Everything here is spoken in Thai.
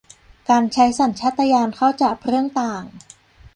การใช้สัญชาตญาณเข้าจับเรื่องต่าง